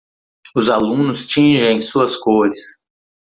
Os alunos tingem suas cores.